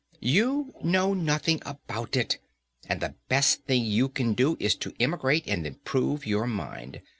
"You know nothing about it, and the best thing you can do is to emigrate and improve your mind.